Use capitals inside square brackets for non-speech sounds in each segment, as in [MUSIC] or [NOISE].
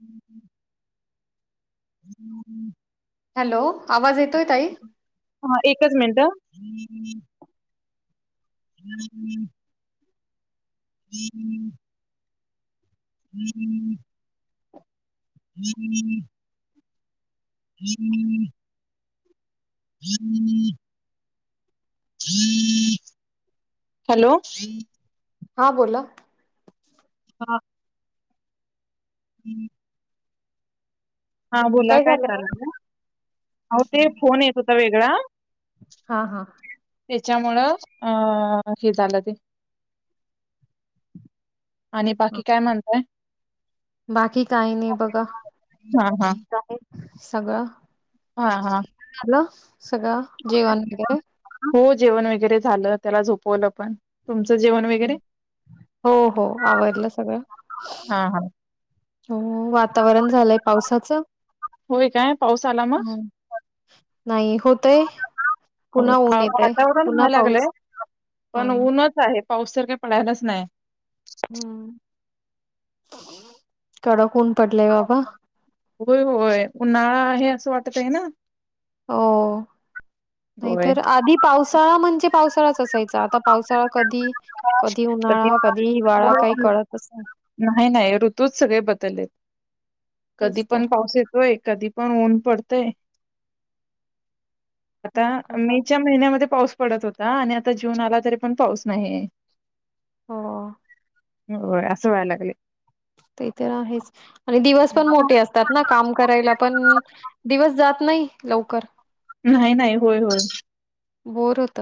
हम् ह हम्. हॅलो आवाज येतोय ताई. हा एकच मिनिट हं. हम्म हम्म हम्म हम्म हम्म हम्म हम्म हॅलो. हा बोला. हा. हम्म हा बोला काय झालं करायला मग? लागला? अहो ते फोन येत होता वेगळा- हा हा. त्याच्यामुळं. अ -हे झालं ते. आणि हा बाकी काय म्हणताय? बाकी काही नाही बघा. हा हा ठीक आहे सगळं. हा हा. झालं सगळं? जेवण बिवण. हो जेवण वगैरे झालं. त्याला झोपवलं पण. तुमचं जेवण वगैरे हो हो आवरलं सगळं. हा हा हो वातावरण झालंय पावसाचं. होय काय पाऊस आला मग? नाही होतय. हो पुन्हा ऊन येतय. वातावरण पुन्हा व्हायला लागलंय पाऊस. हा पण ऊनच आहे. पाऊससारखे पडायलाच नाही. हम्म कडक ऊन. पडलंय बाबा होय होय. उन्हाळा आहे असं वाटत आहे ना? हो. नाहीतर होय आधी पावसाळा म्हणजे पावसाळाच असायचा. आता पावसाळा कधी- कधी उन्हाळा? होय, कधी हिवाळा? काही होय. कळतच नाही. नाही नाही ऋतूच सगळे बदललेत. कधी तेच पण तर पाऊस येतोय. कधी पण ऊन पडतय. आता मग काय. मेच्या महिन्यामध्ये पाऊस पडत होता आणि आता जून आला तरी पण पाऊस नाहीये. हो होय. असं व्हायला लागलय. ते तर आहेच आणि दिवस पण मोठे असतात ना? काम करायला पण दिवस जात- नाही. लवकर. नाही नाही. होय होय. बोअर होत.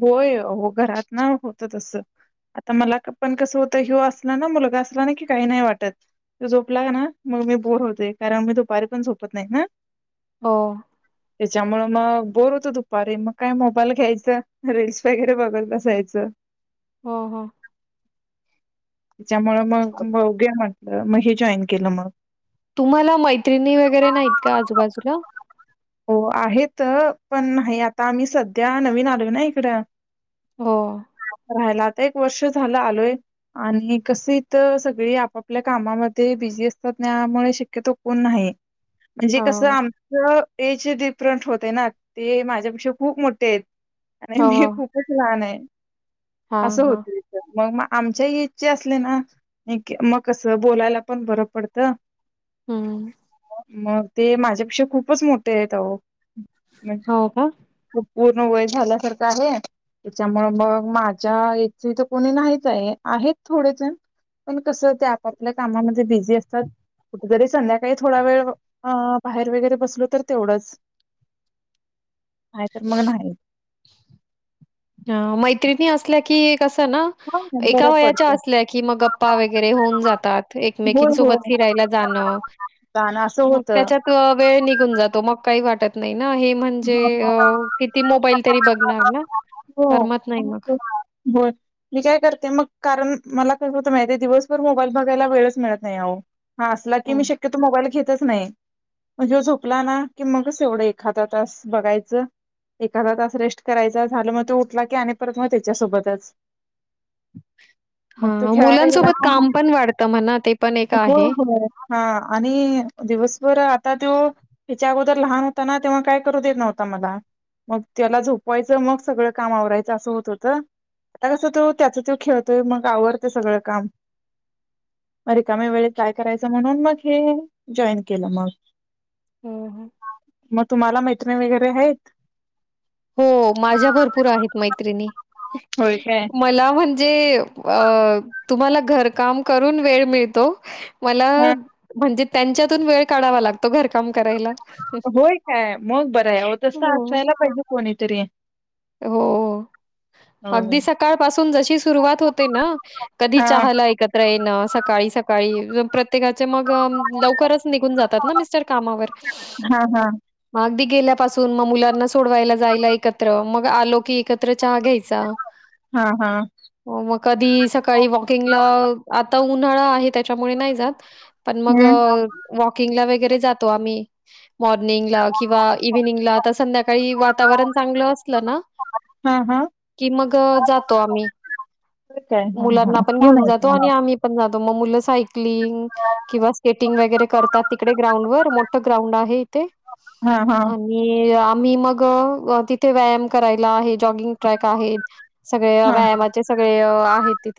होय हो घरात ना? होत तस. आता मला पण कसं होतं? ह्यो असला ना, मुलगा असला ना की काही नाही वाटत. तो झोपला का ना? मग मी बोअर होते कारण मी दुपारी पण झोपत नाही ना. हो. त्याच्यामुळ मग बोअर होतं दुपारी. मग काय मोबाईल घ्यायचं- रील्स वगैरे बघत बसायचं. हो हो. च्या मुळ मग बघूया म्हटलं, मग हे जॉईन केलं मग. तुम्हाला मैत्रिणी वगैरे नाहीत का आजूबाजूला? हो आहेत. पण नाही आता आम्ही सध्या नवीन आलो ना इकडं? हो राहायला आता एक वर्ष झालं आलोय आणि कस इथ सगळी आपापल्या कामामध्ये बिझी- झी असतात. त्यामुळे शक्यतो कोण नाही मनजे हो कस आमचं- एज डिफरंट होते ना ते माझ्यापेक्षा खूप मोठे आहेत. आणि मी हो खूपच लहान आहे. हा असं हा. होतय त मग मा - आमच्याही इच्छा असले ना मग कसं बोलायला पण बरं पडतं हम्म मग ते माझ्यापेक्षा खूपच मोठे आहेतह हो का पूर्ण वय झाल्यासारखं आहे त्याच्यामुळ मग माझ्या एज तर कोणी नाहीच आहे आहेत थोडेसे पण कसं ते आपापल्या कामामध्ये बिझी असतात कुठ जरी संध्याकाळी थोडा वेळ अ बाहेर वगैरे बसलो तर तेवढच आहे तर मग नाही ह मैत्रिणी असल्या कि कस ना एका बरं वयाच्या पडतं असल्या की मग गप्पा वगैरे होऊन जातात होय, होय. एकमेकीसोबति जाणं गाणं असं मग होतं. त्याच्यात वेळ निघून जातो मग का वाटत न हे म्हणजे अ किती मोबाईल तरी बघणार ना हो करमत नाही मग होोल मी काय करते मग कारण मला माहिती दिवसभर मोबाईल बघायला वेचळत नाही हा असला की हो. मी शक्यतो मोबाईल घेत नाही म्हणजे ह्यो झोपला ना की मग एवढं एखादा तास बघायचं एखादा तास रेस्ट करायचा झालं मग तो उठला की आणि परत मग त्याच्यासोबतच हा मग तू हां खेळायला गेला मुलांसोबत काम पण वाढतं म्हणा ते पण एक प हो आहे. हो हा आणि दिवसभर आता त्यो ह्याच्या अगोदर लहान होता ना तेव्हा काय करू देत नव्हता मला मग त्याला झोपवाय चं मग सगळं काम आवरायचं असं होत होत आता कसं तो त्याच तो खेळतोय मग आवरडते सगळं काम अ रिकाम्या वेळे त काय करायच म्हणून मग हे जॉईन केलं मग हं, हं. मग तुम्हाला मैत्रिणी वगैरे आहेत हो माझ्या भरपूर आहेत मैत्रिणी होय काय मला म्हण म्हे तुम्हाला घरकाम करून वेळ मिळ तो मला हा म्हणजे त्यांच्यातून वेळ काढावा लागतो घरकाम करायला होय काय मग बरं आहे व तस हो. असायला पाहिजे कोणीतरी हो अगदी होय. सकाळ पासून जशी सुरुवात होते ना कधी हा. चहाला एकत्र ये न सकाळी सकाळी प्रत्येकाचे मग लवकरच निघून जातात ना मिस्टर कामावर हा हा मग अगदी गेल्यापासून मग मुलांना सोडवायला जायला एकत्र मग आलो की एकत्र चहा घ्यायच हा, हा. हो मग कधी सकाळी वॉकिंगला आता उन्हाळा आहे त्याच्यामुळे नाही जात पण मग हम्म. वॉकिंग ला वगैरे जातो आम्ही मॉर्निंगला किंवा इव्हिनिंगला आता संध्याकाळी वातावरण चांगलं असलं ना हा, हा. कि मग जातो आम्ही होय काय? हा, हा. मुलांना पण छान घेऊन आहे की जातो आणि मग. आम्ही पण जातो मग मुलं साक सायकलिंग किंवा स्केटिंग वगैरे करतात तिकडे ग्राउंड वर मोठा ग्राउंड आहे इथे हा, हा, हा. आणि मी मग तिथे व्यायाम करायला आहे जॉगिंग ट्रॅक आहे सगळे व्यायामाचे सगळे आहे तिथ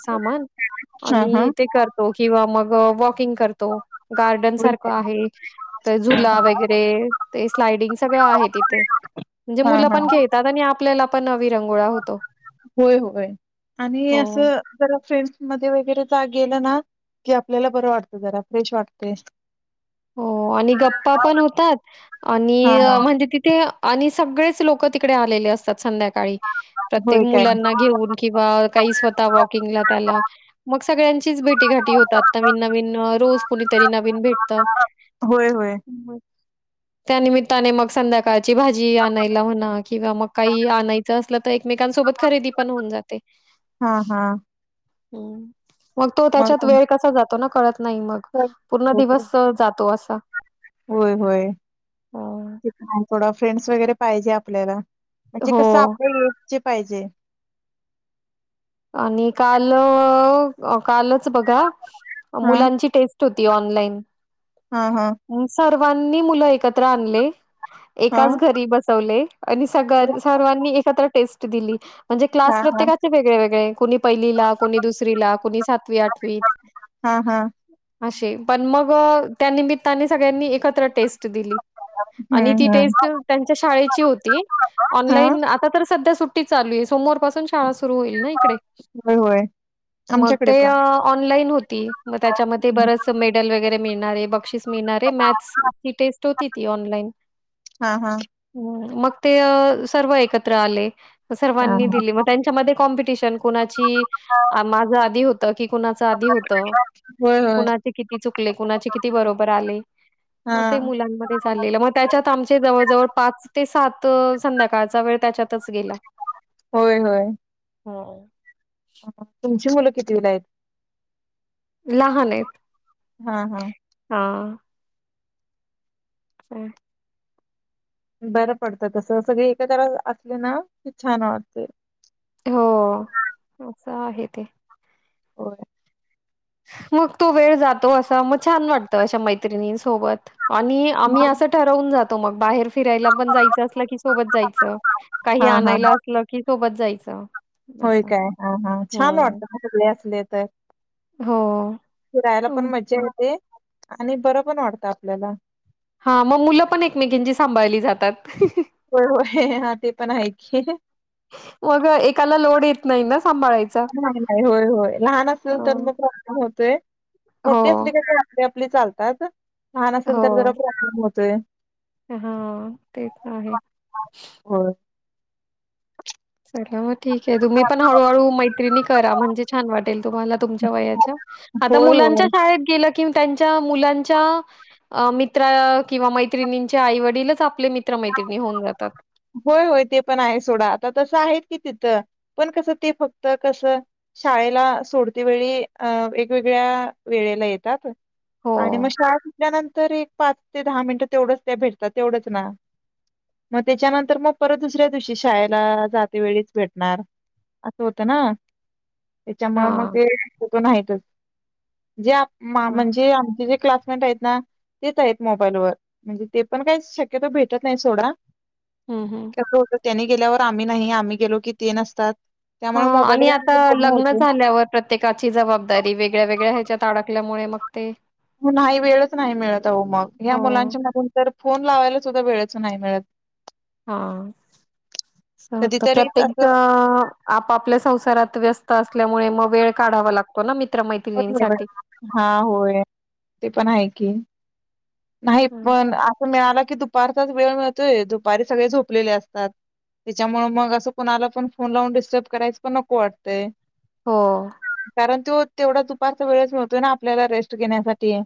सामान हा, ते करतो हा. किंवा मग वॉकिंग तो गार्डन होय सार काय? आहे तर हां, हां. जुला वगैरे ते स्लाडिंग सगळं आहे त तिथे म्हणजे हां, मुलं पण हां. खेळतात आणि आपल्याला पण विरंगुळा होतो होय होय आणि अस हो जरा फ्रेश पण होतं मध्ये वगैरे गेलं ना मग आपल्याला पण तेथे फ्रेश वाटतं हो आणि गप्पा पण होतात हां, आणि हां. म्हणजे तिथे आणि सगळेच लोक तिकडे आलेले असतात संध्याकाळी काळी, प्रत्येक होय काय? मुलांना घेऊन किंवा स्वतः वॉकिंगला त्याला मग सगळे यांशीच भेटी-घाटी होतात नवीन-नवीन रोज कोणीतरी नवीन भेट त होय, होय. त्यानमित्ताने मग संध्याकाळ ची भाजी आणायला होणा किंवा मग काही आणायचं असलं तर एकमेकांसोबत खरेदी पण होऊन जाते. हा हा. हम्म मग तो त्याच्यात वेळ कसा जातो ना कळत नाही मग पूर्ण दिवस अ, जातो असा. होय-होय, अ, थोडा फ्रेंड्स वगैरे पाहिजे आपल्याला. म्हणजे कसं हो. आपल्या एजचे पाहिजे. आणि कालं कालच बघा हा मुलांची टेस्ट होती ऑनलाईन. हा हा. मग सर्वांनी मुलं एकत्र आणले हा एकाच घरी बसवले आणि सगन सर्वांनी एकत्र टेस्ट दिली म्हणजे क्लास हा हा प्रत्येकाचे वेगळे-वेग कोणी पहिलीला, कोणी दुसरीला, कोणी सातवी-आठवी हा हा अशे पण मग त्या निमित्ताने सगळ्यांनी एकत्र टेस्ट दिली. आणि ती हम्म हम्म टेस्ट त्यांच्या शाळेची होती हा ऑनलाईन आता तर सध्या सु ट्टी चालू आहे सोमवारपासून शाळा सुरू होई होय-होय. मग ते आ ऑनलाईन होती मग त्याच्यामध्ये हम्म. बरं असं मेडल वगैरे मिळणारे, बक्षीस मिळणारे मॅथ्सची टेस्ट होती ती ऑनलाईन हा हा मग ते सर्व एकत्र आले हा सर्वांनी हा दिली मग त्यांच्यामध्ये कॉम्पिटिशन कुणाची माझं आदी होतं की कुणाचा आदी होतं होय होय कुणाचे किती चुकले, कुणाचे किती बरोबर आले. मग ते हा. मुलांमध्ये चाललेला मग त्याच्यात आमचे जवळ-जवळ पाच ते सात त संध्याकाळचा वेळ त्याच्यातच गेला. होय होय. हो. तुमची मुलं कितीवीला आहेत? लहान आहेत. हा हा. हा. हा. बरं पडतं तसं सगळे एकत्र अ असले ना की छान वाटते. हो असं आहे ते. होय. मग तो वेळ जातो, असं मग छान वाटतं अशा मैत्रिणी सोबत आणि आम्ही मग? असं ठरवून जातो मग बाहेर फिरायला पण जायचं असलं कि सोबत जायचं, काही हा हा आणायला असलं कि सोबत जायचं. होय असं. काय हा हा छान हां. वाटतं सगळे असले तर हो. फिरायला पण हं, मज्जा हं. येते आणि बरं पण वाटतं आपल्याला. हा मग मुलं पण एकमेकांची सांभाळली जातात. होय होय हा ते पण आहे की. मग एकाला लोड येत नाही ना. सांभाळायचा. नाही-नाही होय-होय लहान अ, असेल तर मग प्रॉब्लेम होतय हो, मोठी असली का ते [UNINTELLIGIBLE] आपली चालतात लहान असेल तर जरा प्रॉब्लेम होतोय. हा तेच आहे. होय. चला मग ठीक आहे तुम्ही पण हळूहळू मैत्रिणी करा म्हणजे छान वाटेल तुम्हाला तुमच्या वयाच्या आता होय मुलं त्यांच्या होय. शाळेत गेलं कि त्यांच्या मुलांच्या अ मित्रा किंवा मैत्रिणींच्या आईवडीलच आपले मित्र मैत्रिणी होऊन जातात. होय होय ते पण आहे सोडा. आता तसं आहेत की तिथं, पण कसं ते फक्त कसं शाळेला सोडती वेळी अ वेगवेगळ्या वेळेला येतात. हो आणि मग शाळा शिकल्यानं तर एक पाच ते दहा मिनिटं तेवढंच त्या भेटतात. तेवढंच ना मग त्याच्यानंतर मग परत दुसऱ्या दिवशी शाळेला जाते वेळीच भेटणार. असं होतं ना. त्याच्यामुळे मग हां ते होत नाहीतच जे हां म्हणजे आमचे जे क्लासमेट आहेत ना, तेच आहेत मोबाईल वर. म्हणजे ते पण काही शक्यतो भेटत नाही सोडा. हम्म, हम्म. त्यांनी गेल्यावर आम्ही नाही आम्ही गेलो की ते नसतात. हा त्यामुळे आणि आता मोबाईलवर बोलणं लग्न होते झाल्यावर प्रत्येकाची जबाबदारी वेगळ्या वेगळ्या ह्या त अडकल्यामुळे मग ते नाही वेळच नाही मिळतह अहो मग ह्या हो मुलांच्या मागून तर फोन लावायला सुद्धा वेळेच नाही मिळत. ‌ हा. तसं होत कधीतरी प्रत्येक असं आपापल्या संसारात व्यस्त असे मुळे मग वेळ काढावा लागतो ना मित हा होय ते पण आहे की. नाही हं. पण असं मिळाला की दुपारचाच वेळ मिळतोय, दुपारी सगळे झोपलेले असतात. त्याच्यामुळे मग असं कोणाला पण फोन लावून डिस्टर्ब करायचं पण नको वाटतंय. हो. कारण तो तेवढा दुपारचा वेळच मिळतोय ना आपल्याला रेस्ट घेण्यासाठी.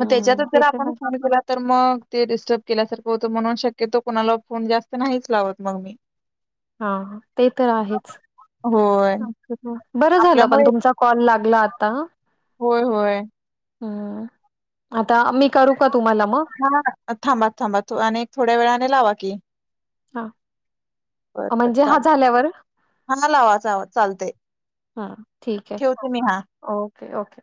मग त्याच्यातच ते जर तर आपण फोन केला तर मग ते डिस्टर्ब केल्यासारखं होतं म्हणून शक्यतो कोणाला फोन जास्त नाहीच लावत मग मी. हा ते तर आहेच. होय बरं झालं पण आपल्यामुळे तुमचा कॉल लागला आता हा होय, होय. हम्म. आता मी करू का? तुम्हाला मग? थांबा, थांबा, थांबा आणि एक थोड्या वेळाने लावा की. हा. बर, बर म्हणजे हा चालतंय. झाल्यावर हा लावा, लावा चालतंय. हा ठीक आहे. ठेवते मी हा. Okay, okay.